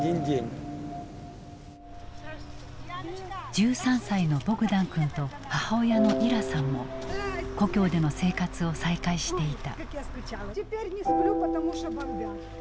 ・・１３歳のボグダン君と母親のイラさんも故郷での生活を再開していた。